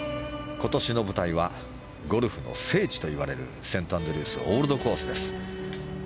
今年の舞台はゴルフの聖地といわれるセントアンドリュースオールドコースです。